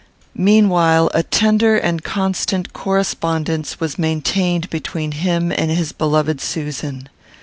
Meanwhile, a tender and constant correspondence was maintained between him and his beloved Susan.